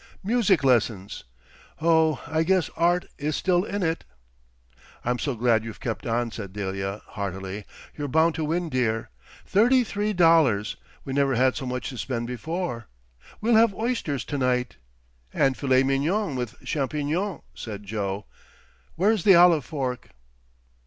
Music lessons! Oh, I guess Art is still in it." "I'm so glad you've kept on," said Delia, heartily. "You're bound to win, dear. Thirty three dollars! We never had so much to spend before. We'll have oysters to night." "And filet mignon with champignons," said Joe. "Where is the olive fork?"